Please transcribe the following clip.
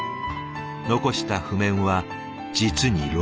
残した譜面は実に６万曲。